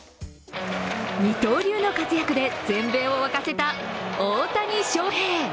二刀流の活躍で全米を沸かせた大谷翔平。